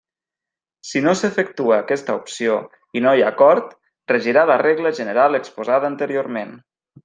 Si no s'efectua aquesta opció i no hi ha acord regirà la regla general exposada anteriorment.